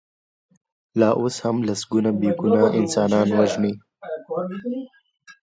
لا اوس هم لسګونه بې ګناه انسانان وژني.